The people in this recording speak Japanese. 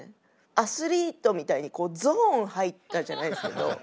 アスリートみたいにゾーン入ったじゃないですけど。